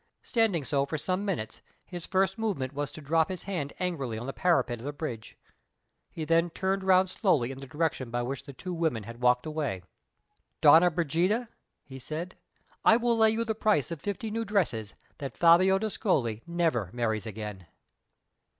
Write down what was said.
Standing so for some minutes, his first movement was to drop his hand angrily on the parapet of the bridge. He then turned round slowly in the direction by which the two women had walked away. "Donna Brigida," he said, "I will lay you the price of fifty new dresses that Fabio d'Ascoli never marries again!"